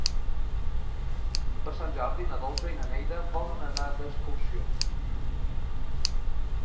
Per Sant Jordi na Dolça i na Neida volen anar d'excursió.